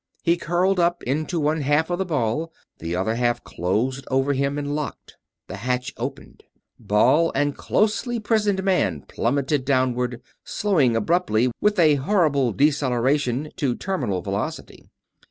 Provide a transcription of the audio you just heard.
He curled up into one half of the ball; the other half closed over him and locked. The hatch opened. Ball and closely prisoned man plummeted downward; slowing abruptly, with a horrible deceleration, to terminal velocity.